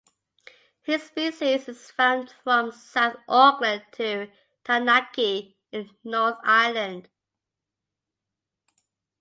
This species is found from south Auckland to Taranaki in the North Island.